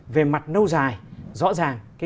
về mặt nâu dài rõ ràng